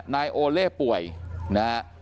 นายโอเล่ป่วยนะฮะ